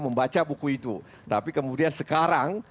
membaca buku itu tapi kemudian sekarang